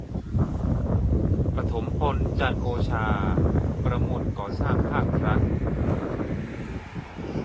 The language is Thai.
ปฐมพล จันทร์โอชา ประมูลก่อสร้างภาครัฐ